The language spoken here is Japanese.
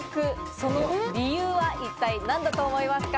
その理由は一体何だと思いますか？